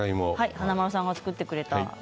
華丸さんが作ってくれた。